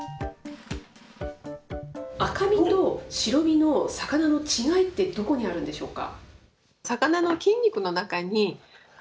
赤身と白身の魚の違いってどこにあるんでしょうか。